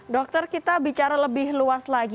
dokter kita bicara lebih luas lagi